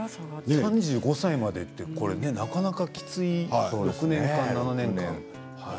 ３５歳までなかなかきつい６年間、７年間。